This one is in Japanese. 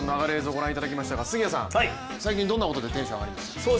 ご覧いただきましたが最近どんなことでテンション上がりましたか？